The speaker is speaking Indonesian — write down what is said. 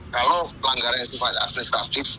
kalau pelanggaran sifat administratif